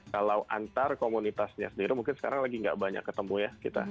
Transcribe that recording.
kalau antar komunitasnya sendiri mungkin sekarang lagi gak banyak ketemu ya